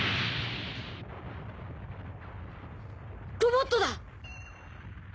ロボットだ！